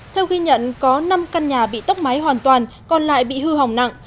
theo ghi nhận có năm căn nhà bị tốc máy hoàn toàn còn lại bị hư hỏng nặng